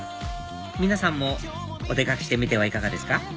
皆さんもお出かけしてみてはいかがですか？